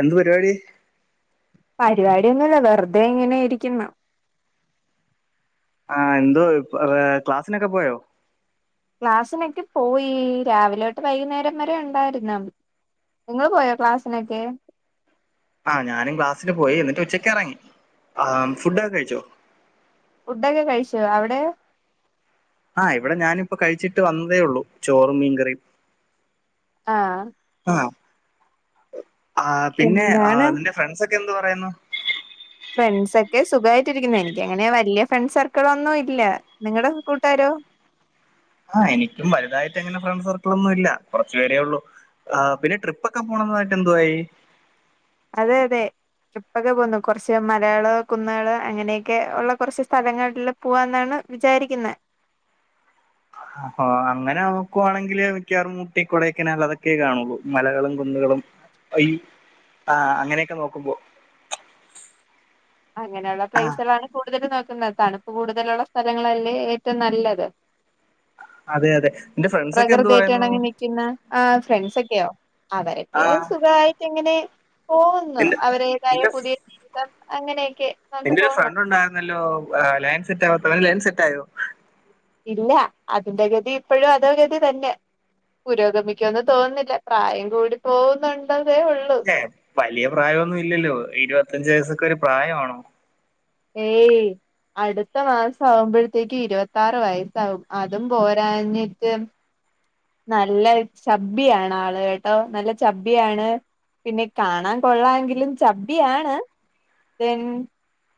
എന്ത് പരിപാടി പരിവാടിയൊന്നുല്ല വെറുതെ ഇങ്ങനെ ഇരിക്കുന്ന് ആ എന്തോ ഇപ ഏ ക്ലാസ്സിനൊക്കെ പോയോ ക്ലാസിനൊക്കെ പോയി രാവിലൊട്ട് വൈകുന്നേരം വരെ ഉണ്ടായിരുന്ന് നിങ്ങള് പോയോ ക്ലാസ്സിനൊക്കെ ആ ഞാനും ക്ലാസ്സിന് പോയി എന്നിട്ട് ഉച്ചക്കെറങ്ങി ആ ഫുഡൊക്കെ കഴിച്ചോ ഫുഡൊക്കെ കഴിച്ചോ അവടെ ആഹ് ഇവടെ ഞാനിപ്പൊ കഴിച്ചിട്ട് വന്നതേയുള്ളൂ ചോറും മീൻകറിയും ആഹ് ആ ആ പിന്നെ ആ എന്താണ് നിന്റെ ഫ്രണ്ട്സൊക്കെ എന്ത് പറയുന്നു ഫ്രണ്ട്സ്സൊക്കെ സുഖവാ യിട്ടിരിക്കുന്നു എനിക്കങ്ങനെ വല്ല്യ ഫ്രണ്ട് സർക്കിളൊന്നും ഇല്ല നിങ്ങടെ കൂട്ടാരോ ആ എനിക്കും വലുതായിട്ടങ്ങനെ ഫ്രണ്ട് സർക്കിളൊന്നും ഇല്ല കുറച്ചു പേരേ ഒള്ളു ആ പിന്നെ ട്രിപ്പൊക്കെ പോണന്ന് പറഞ്ഞിട്ട് എന്തുവായി അതെ അതെ ട്രിപ്പൊക്കെ പോവുന്നു കൊറച്ച് മലകള് കുന്നേള് അങ്ങനെയൊക്കെ ഒള്ള കൊറച്ച് സ്ഥലങ്ങളില് പോവാന്നാണ് വിചാരിക്കുന്നെ ആഹാ അങ്ങനെ നോക്കുവാണെങ്കിൽ മിക്കവാറും ഊട്ടി കൊടേകെനാൽ അതൊക്കെ കാണുള്ളൂ മലകളും കുന്നുകളും ഈ ആ അങ്ങനെയൊക്കെ നോക്കുമ്പോ അങ്ങനെ ഒള്ള ആ പ്ലേയ്സേളാണ് കൂടുതല് നോക്കുന്ന. തണുപ്പ് കൂടുതലൊള്ള സ്ഥലങ്ങളല്ലേ ഏറ്റോം നല്ലത്. അതെ അതെ നിന്റെ ഫ്രണ്ട്സ് ഒക്കെ എന്ത് പറയുന്നു പ്രകൃതിയൊക്കെണങ്ങി നിക്കുന്ന ആ ഫ്രണ്ട്സൊക്കെയോ ആ അവരൊക്കെ സുഖായിട്ടിങ്ങനെ പോവുന്നു എന്റെ അവരേതായ പുതിയ ജീവിതം അങ്ങനെയൊക്കെ നമുക്ക് എന്റൊരു പോകുന്നു ഫ്രണ്ട് ഉണ്ടായിരുന്നല്ലോ ഏ ലൈൻ സെറ്റാവാത്ത അവന് ലൈൻ സെറ്റായോ ഇല്ല അതിന്റെ ഗതി ഇപ്പഴും അതോഗതി തന്നെ പുരോഗമിക്കുമെന്ന് തോന്നുന്നില്ല പ്രായം കൂടി പോകുന്നുണ്ടതേ ഉള്ളൂ എ വലിയ പ്രായൊന്നും ഇല്ലല്ലോ ഇരുവത്തഞ്ചു വയസ്സൊക്കെ ഒരു പ്രായവാണോ ഏയ് അടുത്ത മാസം ആവുമ്പഴത്തേക്ക് ഇരുവത്താറ് വയസ്സാവും അതും പോരാഞ്ഞിട്ട് നല്ല ചബ്ബിയാണ് ആള് കേട്ടോ നല്ല ചബ്ബിയാണ് പിന്നെ കാണാൻ കൊള്ളാ എങ്കിലും ചബ്ബിയാണ് ദെൻ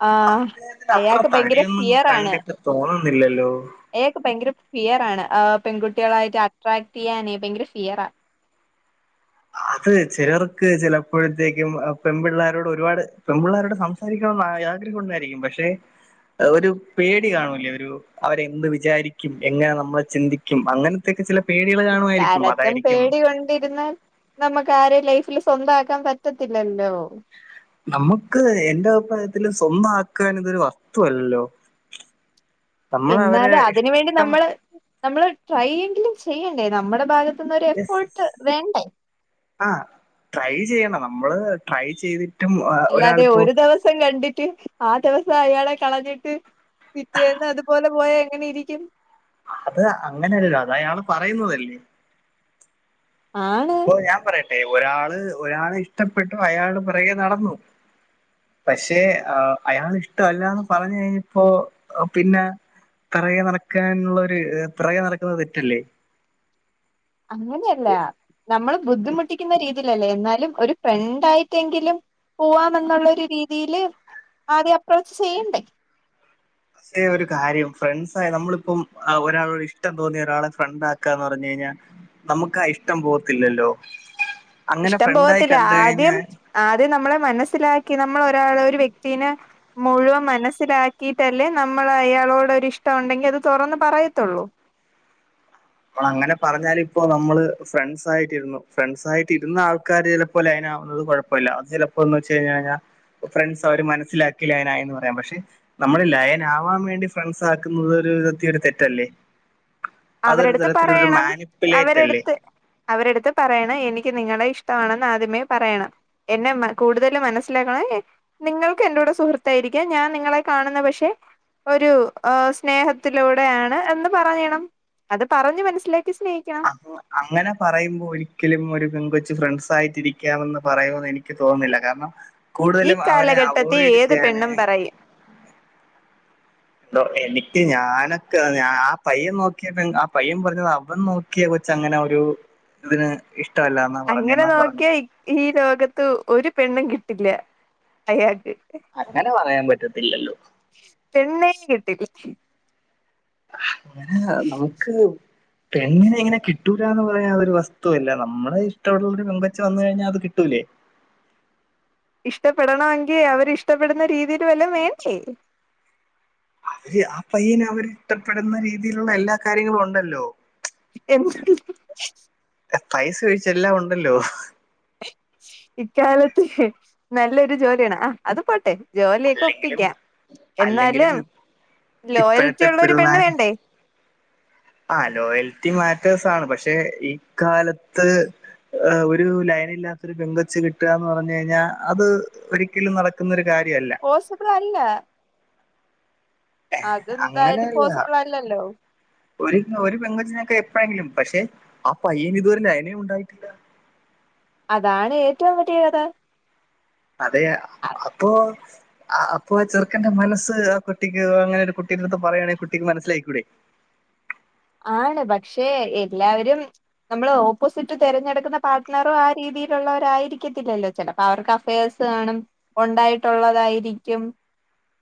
ആഹ് അദ്ദേഹത്തിന് അത്ര അയാക്ക് പയ്ങ്കര തടിയൊന്നും ഫിയറാണ് കണ്ടിട്ട് തോന്നുന്നില്ലല്ലോ അയാക്ക് പയ്ങ്കര ഫിയറാണ് ആ പെൺകുട്ടികളായിട്ട് അട്രാക്ട്യ്യാനേ ഭയങ്കര ഫിയറാ അത് ചെലർക്ക് ചെലപ്പോഴത്തേക്കും അ പെൺപിള്ളാരോട് ഒരുപാട് പെൺപിള്ളാരോട് സംസ് സാരിക്കണോന്ന് ആ യാഗ്രഹം ഒണ്ടായിരിക്കും പക്ഷെ അ ഒരു പേടി കാണൂലേ ഒരു അവര് എന്ത് വിചാരിക്കും എങ്ങന നമ്മൾ ചിന്തിക്കും അങ്ങന് ത്തെക്ക് ചില പേടികള് ഇക്കാലത്തും പേടി കൊണ്ടിരുന്നാൽ നമ്മക്ക് ആരെയും ലൈഫില് സ്വന്ത ആക്കാൻ പറ്റത്തില്ലല്ലോ? നമ്മൊക്ക് എന്റെ അഭിപ്രായത്തില് സ്വന്ത ആക്ക്ക എന്നതൊരു വസ്തു അല്ലല്ലോ? എന്നാലും അതിനുവേണ്ടി ഇഷ്ടം നമ്മള് നമ്മള് ട്രൈയെങ്കിലും ചെയ്യണ്ടേ നമ്മടെ ഭാഗത്തുന്നൊരു എഫോർട്ട് വേണ്ടേ? ആ ട്രൈ ചെയ്യണം നമ്മള് ട്രൈ ചെയ്തി അല്ലാതെ ഒരു ദെവസം കണ്ടിറ്റ് ആ ദെവസം അയാളെ കളഞ്ഞിട്ട് പിറ്റേന്ന് അതുപോലെ പോയാ എങ്ങനെ ഇരിക്കും. അത് അങ്ങനെയല്ലല്ലോ അത് അയാള് പറയുന്നതല്ലേ? ആണ് ഇപ്പൊ ഞാൻ പറയട്ടെ? ഒരാള് ഒരാളെ ഇഷ്ടപ്പെട്ടു. അയാള് പെറകേ നടന്നു. പഷേ ആ അയാള് ഇഷ്ട അല്ലാന്ന് പറഞ്ഞ് കഴിഞ്ഞപ്പോ അ പിന്നെ പെറകേ നടക്കാനുള്ള ഒരു ഇത് പിറകെ നടക്കുന്നത് തെറ്റല്ലേ? അങ്ങനെഅല്ല. നമ്മള് ബുദ്ധിമുട്ടിക്കുന്ന രീതി. ത്തിലല്ലേ? എന്നാലും ഒരു ഫ്രണ്ട് ആയിട്ടെങ്കിലും പുവാമെന്നൊള്ളൊരു രീതിയില് ആദ്യം അപ്രോച്ച് ചെയ്യണ്ടേ? പസേ ഒരു കാര്യം ഫ്രണ്ട്സായ് നമ്മളിപ്പം അ ഒരാളോട് ഇഷ്ടം തോന്നിയ ഒരാളെ ഫ്രണ്ട് ആക്കാന്ന് പറഞ്ഞ് കഴിഞ്ഞാ നമുക്കാ ഇഷ്ടം പോവത്തില്ലല്ലോ? ഇഷ്ടം പോവത്തില്ല. ആദ്യം ആദ്യം നമ്മളെ മനസ്സിലാക്കി നമ്മള് ഒരാള ഒരു വ്യക്‌തീന മുഴുവൻ മനസ്സിലാക്കീട്ടല്ലേ നമ്മള് അയാളോട് ഒരു ഇഷ്ടം ഒണ്ടങ്കി അത് തൊറന്ന് പറയത്തൊള്ളു. പ്പള് അങ്ങനെ പറഞ്ഞാല് ഇപ്പൊ നമ്മള് ഫ്രണ്ട്സ് ആയിട്ടിരുന്നു ഫ്രണ്ട്സായിട്ടിരുന്ന ആൾക്കാര് ചെലപ്പോ ലൈനാവുന്നത് കൊഴ പ്പല്ലാഅത് ചെലപ്പൊന്ന് വെച്ച് കഴിഞ്ഞാ ഞാ ഫ്രണ്ട്സ് അവര് മനസ്സിലാക്കില്ല ലൈൻ ആയിന്ന് പറയാം പക്ഷെ നമ്മള് ലൈൻ ആവാൻ വേണ്ടി ഫ്രണ്ട്സ് ആക്കുന്നത് ഒരുവിധത്തി ഒരു തെറ്റല്ലേ അതൊരു അവരെടുത്ത് തരത്തിലൊരു പറയണം മാനിപ്പുലേറ്റ് അല്ലേ അവരെട്ത്ത് അവരെട്ത്ത് പറയണം എനിക്ക് നിങ്ങളെ ഇഷ്ടമാണെന്ന് ആദ്യമേ പറയണം എന്നെ മ കൂടുതല് മനസ്സിലാക്കണെങ്കി നിങ്ങൾക്ക് എന്റെൂട സുഹൃത്തായിരിക്കാം. ഞാൻ നിങ്ങളെ കാണുന്ന പക്ഷെ ഒരു ആഹ് സ്നേഹത്തിലൂടെയാണ് എന്ന് പറയണം അത് പറഞ്ഞ് മനസ്സിലാക്കി സ്നേഹിക്കണം അങ്ങന പറയുമ്പോ ഒരിക്കലും ഒരു പെങ്കൊച്ച് ഫ്രണ്ട്സായിയിട്ടിരിക്കാമെന്ന് പറയോന്ന് എനി ക്ക് തോന്നുന്നില്ല കാരണം ഈ കൂടുതലും അവനെ കാലഘട്ടത്തി അവോയ്ഡ് ഏത് പെണ്ണും ചെയ്യാനാണ് പറയും ദൊ എനിക്ക് ഞാനൊക്ക ഞാ ആ പയ്യൻ നോക്കിയ പെൺ ആ പയ്യൻ പറഞ്ഞത് അവൻ നോ ക്കിയെ കൊച്ച് അങ്ങനെ ഒരു ഇതിന് ഇഷ്ടല്ല. അങ്ങനെ നോക്കിയാ ഈ ലോകത്ത് ഒരു പെണ്ണും കിട്ടില്ല അയാക്ക് അങ്ങനെ പറയാൻ പറ്റത്തില്ലല്ലോ. പെണ്ണേഷ് കിട്ടീ [inaudible] ഹാ നമുക്ക് പെണ്ണിനെ ഇങ്ങനെ കിട്ടൂലാന്ന് പറയാൻ ഒരു വസ്തുവല്ല. നമ്മളെ ഇഷ്ട ഒള്ളൊരു പെങ്കൊച്ച് വന്ന് കഴിഞ്ഞാ അത് കിട്ടൂലേ ഇഷ്ടപ്പെടണങ്കി അവര് ഇഷ്ടപ്പെടുന്ന രീതീല് വല്ലോ വേണ്ടേ ഈയ് ആ പയ്യന അവര് ഇഷ്ടപ്പെടുന്ന രീതിയിലുള്ള എല്ലാ കാര്യങ്ങളും ഒണ്ടല്ലോ എന്ത് [unintelligible] പൈസ ഒഴിച്ച് എല്ലാം ഒണ്ടല്ലോ ഇക്കാലത്തെ നല്ലൊരു ജോലിയാണ് ആഹ് അത് പോട്ടെ ജോലിയൊക്കെ അല്ലെങ്കിലും ഒപ്പിക്കാം അല്ലെങ്കിലും എന്നാലും ഇ- ഇപ്പോഴത്തെ ലോയൽറ്റിള്ള ഒരു പെണ്ണ് പിള്ളേർ വേണ്ടേ ആ ലോയൽിറ്റി മാറ്റേഴ്സ് ആണ് പക്ഷെ ഇക്കാലത്ത് ഏ ഒരു ലൈനില്ലാത്തൊരു പെങ്കൊച് കിട്ടാന്ന് പറഞ് കഴിഞ്ഞാ അത് ഒരിക്കലും നടക്കുന്നൊരു കാര്യല്ല. പോസിബിൾ അല്ല അതെന്തായാലും അങ്ങനെയല്ല പോസിബിൾ അല്ലല്ലോ ഒരു ഒരു പെങ്കൊച്ചിനെപ്പഴെങ്കിലും പക്ഷെ ആ പയ്യന് ഇതുവരെ ലൈനെ ഉണ്ടായിട്ടില്ല അതാണ് ഏറ്റവും വറ്റിയ കഥ. അതെ അപ്പൊ അപ്പൊ ആ ചെറുക്കൻന്റെ മനസ് കുട്ടിക് അങ്ങനെ കുട്ടിന്റെടുത്ത് പറയാണെങ്കിൽ കുട്ടിക്ക് മനസ്സിലായിക്കൂടെ. ആണ് പക്ഷേ എല്ലാവരും നമ്മള് ഓപ്പോസിറ്റ് തെരഞ്ഞെടുക്കുന്ന പാർട്ട്ണറും ആ രീതിയിലുള്ളവരായിരിക്കത്തില്ലല്ലോ. ചിലപ്പോ അവർക്ക് അഫയേർസ് കാണും ഉണ്ടായിട്ടുള്ളതായിരിക്കും.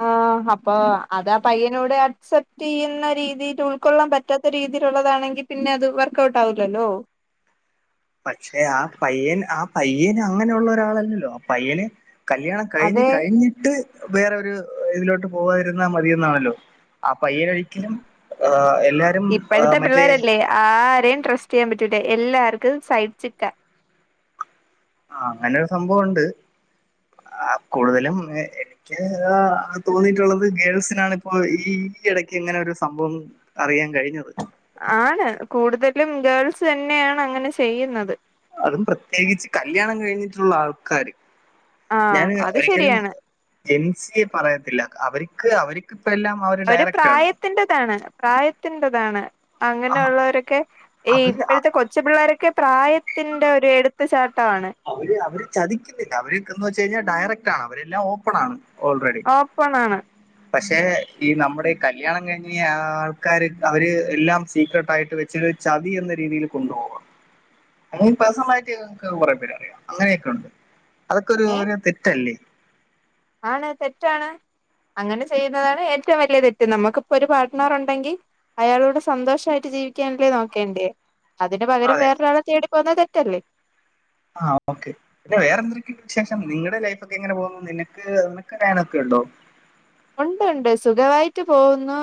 ആഹ് അപ്പൊ അതാ പയ്യനോട് അക്സെപ്റ്റയ്യുന്ന രീതിയിൽ ഉൾക്കൊള്ളാൻ പറ്റ റ്റാത്ത രീതിയിലുള്ളതാണെങ്കി പിന്നെ അത് വർക്ക് ഔട്ട് ആവുല്ലല്ലോ. പക്ഷെ ആ പയ്യൻ ആ പയ്യൻ അങ്ങനെയുള്ള ഒരാളല്ലല്ലോ ആ പയ്യന് കല്യാണ കഴിഞ്ഞ് അതെ കഴിഞ്ഞിട്ട് വേറൊരു ഇതിലോട്ട് പോവാതിരുന്നാ മതിയൊന്നാണല്ലോ. അ പയ്യാനൊരിക്കലും ആ എല്ലാ- ഇപ്പഴത്തെ പിള്ളേരല്ലേ ആരേം ട്രസ്റ്റ് ചെയ്യാൻ പറ്റൂല എല്ലാർക്കും സൈട്സ് സിക്കാ ആ അങ്ങനെരു സംഭവുണ്ട് ആ കൂടുതലും ക്ക് വാ തോന്നിയിട്ടുള്ളത് ഗേൾസിനാണ് ഇപ്പോ ഈ ഈ ഇടക്ക് എങ്ങനെ ഒരു സംഭവം അറിയാൻ കഴിഞ്ഞത്. ആണ് കൂടുതലും ഗേൾസ് ന്നെയാണ് അങ്ങനെ ചെയ്യുന്നത് അതും പ്രത്യേകിച്ച് കല്യാണം കഴിഞ്ഞിട്ടുള്ള ആൾക്കാര് ആഹ് ഞാന് അത് ഒരിക്കലും ശരിയാണ് ജൻസിഎ പറയത്തില്ല അവർക്ക് അവർക്ക്പ്പല്ലാം അവരെ പ്രായത്തിന്റെതാണ് പ്രായത്തിന്റതാണ് ആ അങ്ങനെയുള്ളവരൊക്കെ ഈ അവര് ഇപ്പോഴത്തെ കൊച്ചു പിള്ളേരൊക്കെ പ്രായത്തിന്റെ ഒരു എടുത്ത് ചാട്ടാണ് അവര് അവര് ചതിക്കുന്നില്ല അവര് എന്ന് വെച്ച് കഴിഞ്ഞാ ഡയറക്റ്റ് ആണ് അവരെല്ലാം ഓപ്പൺ ആണ് ഓൾറെഡി ഓപ്പൺ ആണ്. പക്ഷെ ഈ നമ്മുടെഈ കല്യാണം കഴിഞ്ഞി ആൾക്കാര് അവര് എല്ലാം സീക്രട്ടായിട്ട് വെച്ച ചതി എന്ന രീതിയിൽ കൊണ്ടുപോവാ അങ്ങന പേഴ്സണല് ആയിട്ടിക്ക് കുറെേ പേരറിയാം അങ്ങനെയൊക്കെ ഉണ്ട് അതൊക്കെ ഒരു ഏ തെറ്റല്ലേ. ആണ് തെറ്റാണ് അങ്ങനെ ചെയ്യുന്നതാണ് ഏറ്റവും വലിയ തെറ്റ് നമുക്കിപ്പൊ ഒരു പാർട്ട്ണർ ഉണ്ടെങ്കി അയാളൂടെ സന്തോഷായിട്ട് ജീവിക്കാനല്ലേ നോക്കേണ്ടേ. അതിന് പകരം അതെ വേറ ഒരാളെ തേടി പോകന്നത് തെറ്റല്ലേ. ആ ഓക്കെ പിന്നെ വേറെ എന്തെൊക്കെയ വിശേഷം നിങ്ങളുടെ ലൈഫ് ഒക്കെ എങ്ങനെ പോകുന്നു നിനക്ക് നിനക്ക് ലൈനൊക്കെ ഉണ്ടോ. ഉണ്ട്ഉണ്ട് സുഖമായിട്ട് പോവുന്നു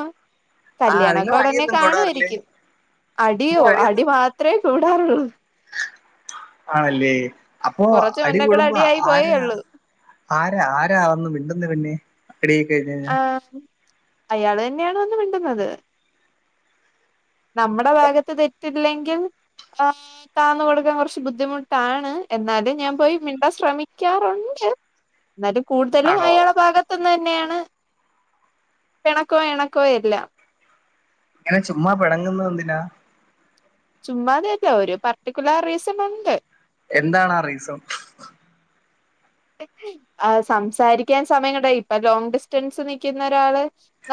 ആ നിങ്ങൾ കല്യാണക്കെ ഉടനെ അടിയൊന്നും കൂടാറില്ലേ കാണുവായിരിക്കും നിങ്ങൾ അടിയോ അടി അടിയൊന്നും മാ ഇത്രേ കൂടാറുള്ളൂ. ആണല്ലേ അപ്പൊ കുറച്ച് മുന്നേ കൂടെ അടികൂടുമ്പോ അടിയായി പോയേ ആരാ ഉള്ളൂ ആരാ ആരാ അതൊന്ന് മിണ്ടുന്ന് പിന്നെ ടീ കൈഞ്ഞേ ആഹ് അയാള് തന്നെണ് വന്ന് മിണ്ടുന്നത് നമ്മുടെ ഭാഗത്ത് തെറ്റില്ലെങ്കിൽ ആ- താന്ന് കൊടുക്കാൻ കുറച്ച് ബുദ്ധിമുട്ടാണ് എന്നാലും ഞാൻ പോയി മിണ്ടാൻ ശ്രമിക്കാറുണ്ട് ന്നാലും കൂടുതലും ആണോ അയാള ഭാഗത്തു നിന്ന് തന്നെയാണ് പിണക്കോ ഇണക്കോ എല്ലാം. ഇങ്ങനെ ചുമ്മ പിണങ്ങുന്നന്തിനാ ചുമ്മാതയല്ല ഒരു പർട്ടിക്കുലർ റീസൺ ഉണ്ട്. എന്താണ് ആ റീസൺ? ആഹ് സംസാരിക്കാൻ സമയം കിട്ടാ ഇപ്പൊ ലോങ് ഡിസ്റ്റൻസ് നിക്കുന്ന ഒരാള്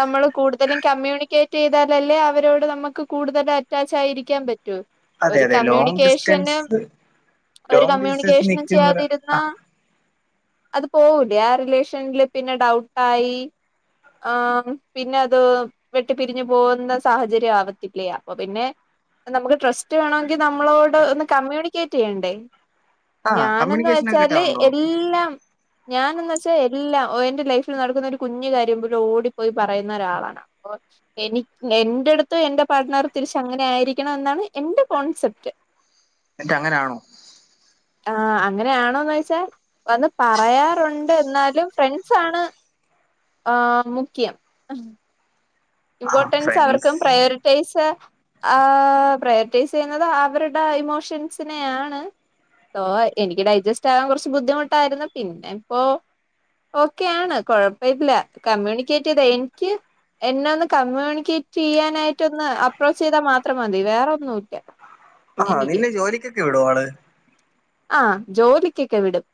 നമ്മള് കൂടുതലും കമ്മ്യൂണിക്കേറ്റ് ചെയ്താലല്ലേ അവരോട് നമ്മക്ക് കൂടുതല് അറ്റാച്ചായിരിക്കാൻ പറ്റൂ. അതെ ഒരു അതെ ലോങ് കമ്മ്യൂണിക്കേഷനും ഡിസ്റ്റൻസ് ഒരു ലോങ് ഡിസ്റ്റൻസ് കമ്മ്യൂണിക്കേഷനും നിൽക്കുന്നവരാ ചെയ്യാതിരുന്ന ആ അത് പോവൂലേ ആ റിലേഷനില് പിന്നെ ഡൗട്ടായി. ആഹ് പിന്നെ അത് വെട്ടി പിരിഞ്ഞു പോകുന്ന സാഹചര്യം ആവത്തില്ലേ അപ്പൊപിന്നെ നമുക്ക് ട്രസ്റ്റ് റ്റേണെങ്കിൽ നമ്മളോട് ഒന്ന് കമ്മ്യൂണിക്കേറ്റിയ്യണ്ടേ ആ ഞാനന്ന് കമ്മ്യൂണിക്കേഷൻ ഒക്കെ വെച്ചാല് കിട്ടാറുണ്ടോ എല്ലാം ഞാനന്ന് വെച്ചാൽ എല്ലാം എന്റെ ലൈഫിൽ നടക്കുന്ന ഒരു കുഞ്ഞ് കാര്യം പോലും ഓടിപ്പോയി പറയുന്ന ഒരാളാണ്. അപ്പൊ എനി എന്റെടുത്ത് എന്റെ പാട്നർ തിരിച്ച് അങ്ങനെ ആയിരിക്കണം എന്നാണ് എന്റെ കോൺസെപ്റ്റ് ന്നിട്ട് അങ്ങനെയാണോ ആഹ് അങ്ങനെയാണോന്നെയ്ച്ചാൽ വന്ന് പറയാറുണ്ട് എന്നാലും ഫ്രണ്ട്സാണ് ആഹ് മുഖ്യം ആ ഇമ്പോർട്ടൻസ് അവർക്കും ഫ്രണ്ട്സ് പ്രയോറി റ്റിസ് ആഹ് പ്രയോറിറ്റൈസ് ചെയ്യുന്നത് അവരുടെ ഇമോഷൻസിനെയാണ് ന്തോ എനിക്ക് ഡൈജസ്റ്റാകാൻ കൊറച്ച് ബുദ്ധിമുട്ടായിരുന്നു പിന്നെപ്പോ ഓക്കെ ആണ് കൊഴപ്പല്ല കമ്മ്യൂണിക്കേറ്റ് ചെയ്ത് എനിക്ക് എന്നാന്ന് കമ്മ്യൂണിക്കേറ്റിയ്യാനായിട്ടൊന്ന് അപ്രോച്ച് ചെയ്താൽ മാത്രം മതി വേറൊന്നുല്ല ആഹ് എനിക്ക് നിന്നെ ജോലിക്കൊക്കെ വിടോ ആള് ആഹ് ജോലിക്കൊക്കെ വിടും.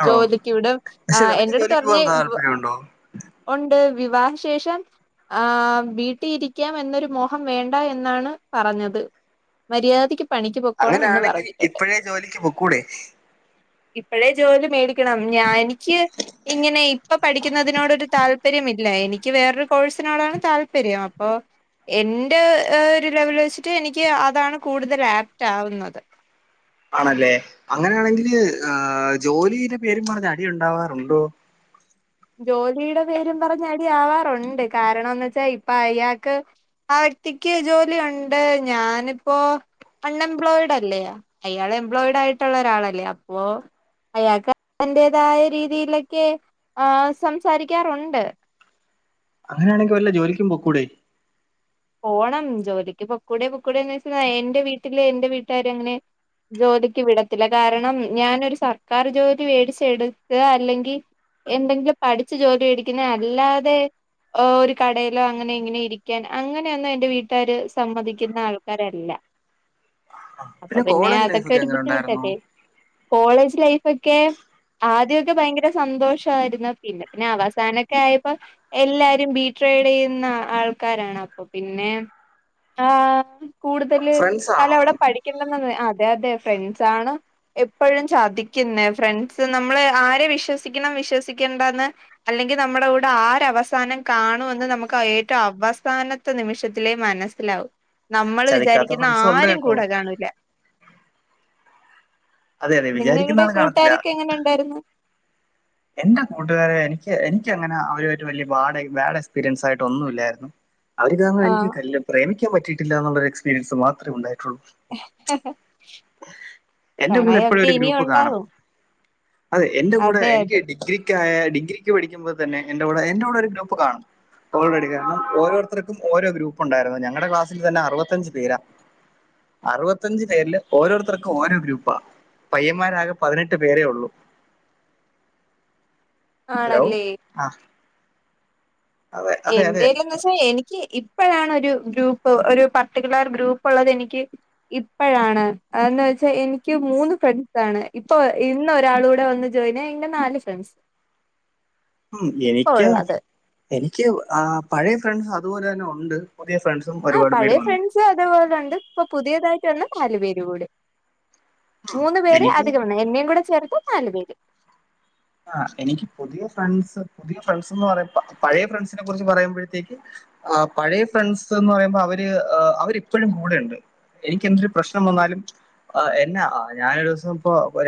ആണോ ജോലിക്ക് വിടും പക്ഷെ ആഹ് നിനക്ക് എന്റെ അടുത്ത് ജോലിക്ക് പറഞ്ഞ് പോകാൻ താല്പര്യമുണ്ടോ ഉണ്ട് വിവാഹ ശേഷം ആഹ് വീട്ടി ഇരിക്കാം എന്നൊരു മോഹം വേണ്ട എന്നാണ് പറഞ്ഞത് മര്യാദയ്ക്ക് പണിക്ക് പൊക്കോണം എന്ന് അങ്ങനാണെങ്കിൽ പറഞ്ഞിട്ടുണ്ട് ഇപ്പഴേ ജോലിക്ക് പൊക്കൂടെ ഇപ്പഴേ ജോലി മേടി ക്കണം ഞാ എനിക്ക് ഇങ്ങനെ ഇപ്പൊ പഠിക്കുന്നതിനോട് ഒരു താല്പര്യമില്ല എനിക്ക് വേറൊരു കോഴ്സിനോടാണ് താല്പര്യം അപ്പൊ എന്റെ ഒരു ലെവൽ വെച്ചിട്ട് എനിക്ക് അതാണ് കൂടുതൽ അപ്റ്റ് ആവുന്നത് ആണല്ലേ അങ്ങനെയാണെങ്കില് ഏഹ് ജോലിടെ പേരും പറഞ്ഞ് അടിയുണ്ടാവാറുണ്ടോ ജോലീടെ പേരും പറഞ്ഞ് അടി ആവാറുണ്ട് കാരണംന്ന് വെച്ചാ ഇപ്പൊ അയാൾക്ക് ആ വ്യക്തിക്ക് ജോലി ഉണ്ട് ഞാനിപ്പോ അൺഎംപ്ലോയിഡല്ലേ അയാൾ എംപ്ലോയിഡയിട്ടുള്ള ഒരാളല്ലേ അപ്പോ അയാൾക്ക് അതിന്റതായ രീതിയിലൊക്കെ ആഹ് സംസാരിക്കാറുണ്ട് അങ്ങനാണെങ്കിൽ വല്ല ജോലിക്കും പൊക്കൂടെ പോണം ജോലിക്ക് പൊക്കൂടേ പൊക്കൂടെന്ന് വെച്ച എന്റെ വീട്ടില് എന്റെ വീട്ടാരങ്ങനെ ജോലിക്ക് വിടത്തില്ല കാരണം ഞാനൊരു സർക്കാർ ജോലി മേടിച്ചെടുക്ക അല്ലെങ്കിൽ എന്തെങ്കിലും പഠിച്ചു ജോലി മേടിക്കുന്ന അല്ലാതെ ഓ ഒരു കടയിലോ അങ്ങനെ ഇങ്ങനെ ഇരിക്കാൻ അങ്ങനെയൊന്നും എന്റെ വീട്ടുകാര് സമ്മതിക്കുന്ന ആൾക്കാരല്ല അപ്പൊ പിന്നെ കോളേജ് ലൈഫ് അതൊക്കെ ഒക്കെ ഒരു എങ്ങനെ ഉണ്ടായിരുന്നു ബുദ്ധിമുട്ടല്ലേ കോളേജ് ലൈഫ് ഒക്കെ ആദ്യക്കെ ഭയങ്കര സന്തോഷായിരുന്നു പിന്നെ പിന്നെ അവസാനൊക്കെ ആയപ്പോ എല്ലാരും ബി ട്രൈഡ് ചെയ്യുന്ന ആൾക്കാരാണ്. അപ്പോ പിന്നെ ആഹ് കൂടുതല് ഫ്രണ്ട്സ് ആണോ കാലവടെ പഠി ക്യന്നുന്ന് അതെ അതെ ഫ്രണ്ട്സാണ് എപ്പഴും ചതിക്കുന്ന ഫ്രണ്ട്സ് നമ്മള് ആരെ വിശ്വസിക്കണം വിശ്വസിക്കണ്ടന്ന് അല്ലെങ്കിൽ നമ്മുടെ കൂടെ ആരവസാനം കാണുമെന്ന് നമുക്ക് ഏറ്റവും അവസാന പത്ത നിമിഷത്തിലേ മനസ്സിലാവും നമ്മൾ ചതിക്കാത്ത വിചാരിക്കുന്ന ഫ്രണ്ട്സും ഉണ്ട് ആരും കേട്ടോ കൂടെ കാണൂല അതെ അതെ വിചാരിക്കുന്ന നിങ്ങളുടെ ആൾ കാണത്തില്ല കൂട്ടാരൊക്കെ എങ്ങനെ ഉണ്ടായിരുന്നു എന്റെ കൂട്ടുകാര് എനിക്ക് എനിക്ക്ങ്ങനെ അവ വലിയ ബാഡ് ബാഡ് എക്സ്പീരിയൻസ് ആയിട്ട് ഒന്നും ഇല്ലായിരുന്നു അവര് കാരണം എനിക്ക് ആഹ് കല് പ്രേമിക്കാൻ പറ്റിയിട്ടില്ല എന്നുള്ളരു എക്സ്പീരിയൻസ് മാത്ര ഉണ്ടായിട്ടുള്ളൂ എന്റെ കൂടെ എപ്പോഴും പ്രണയൊക്കെ ഒരു ഇനിയും ഗ്രൂപ്പ് കാണും ഉണ്ടാകും അതെ എന്റെ കൂടെ അതെ എനി അതെ ഡിഗ്രിക്കായ ഡിഗ്രിക്ക് പഠിക്കുമ്പോ തന്നെ എന്റെ കൂടെ എന്റെ കൂടെ ഒരു ഗ്രൂപ്പ് കാണും ഓൾറെഡി കാരണം ഓരോരുത്തർക്കും ഓരോ ഗ്രൂപ്പുണ്ടായിരുന്നു ഞങ്ങടെ ക്ലാസ്സിൽ തന്ന അറുപത്തൻഞ്ച പേരാ അറുപത്തഞ്ച് പേരില് ഓരോരുത്തർക്കും ഓരോ ഗ്രൂപ്പാ പയ്യന്മാരാകെ പതിനെട്ട് പേരേ ഉള്ളു ഹലോ ആണല്ലേ ആഹ് എന്റെലൊന്ന് പക്ഷെ എനിക്ക് ഇപ്പോഴാണ് ഒരു ഗ്രൂപ്പ് ഒരു പർട്ടിക്കുലർ ഗ്രൂപ്പ് ഉള്ളത് എനിക്ക് ഇപ്പഴാണ് അതന്ന് വെച്ചാ എനിക്ക് മൂന്ന് ഫ്രണ്ട്സാണ് ഇപ്പൊ ഇന്ന് ഒരാള കൂടെ വന്ന് [unintelligible] നാല് ഫ്രണ്ട്സ് ഉമ് ഇപ്പൊ എനിക്ക് ഉള്ളത് എനിക്ക് ആഹ് പഴയ ഫ്രണ്ട്സ് അതുപോലെ തന്നെ ഉണ്ട് പുതിയ ഫ്രണ്ട്സ് ആഹ് പഴയ ഫ്രണ്ട്സ് അതേപോലെ ഉണ്ട് ഇപ്പൊ പുതിയതായിട്ട് വന്ന് നാല് പേര് കൂടി മൂന്ന് പേര് എനിക്ക് അധികമാണ് എന്നെയും കൂടെ ചേർത്ത് നാല് പേര് ആഹ് എനിക്ക് പുതിയ ഫ്രണ്ട്സ് പുതിയ ഫ്രണ്ട്സ് എന്ന് പറ പഴയ ഫ്രണ്ട്സിനെ കുറിച്ച് പറയുമ്പോഴത്തേക്ക് ആഹ് പഴയ ഫ്രണ്ട്സ് എന്ന് പറയുമ്പോ അവര് അവരിപ്പോഴും കൂടെയുണ്ട് എനിക്ക് എന്തൊരു പ്രശ്നം വന്നാലും എന്നാ ഞാനൊ ഒരു ദിവസം ഇപ്പൊ രു